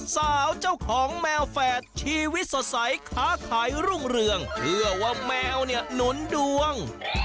สาวเจ้าของแมวแฝดชีวิตสดใสค้าขายรุ่งเรืองเชื่อว่าแมวเนี่ยหนุนดวง